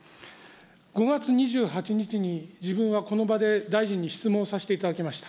５月２８日に自分はこの場で大臣に質問させていただきました。